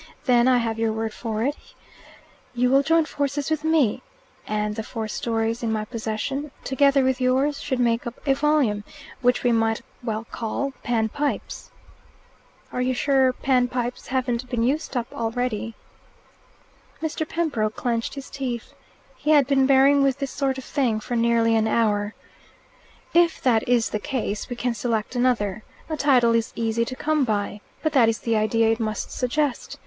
Then I have your word for it you will join forces with me; and the four stories in my possession, together with yours, should make up a volume, which we might well call 'Pan Pipes.'" "Are you sure `Pan Pipes' haven't been used up already?" Mr. Pembroke clenched his teeth. He had been bearing with this sort of thing for nearly an hour. "If that is the case, we can select another. A title is easy to come by. But that is the idea it must suggest.